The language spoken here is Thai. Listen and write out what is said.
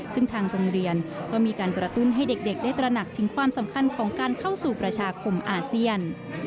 ซึ่งทางโรงเรียนก็มีการกระตุ้นให้เด็กได้ตระหนักถึงความสำคัญของการเข้าสู่ประชาคมอาเซียน